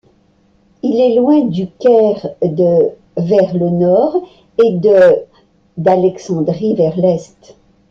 Elle est loin du Caire de vers le nord, et de d’Alexandrie vers l'est.